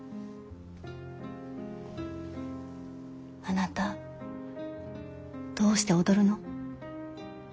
あなたどうして踊るの？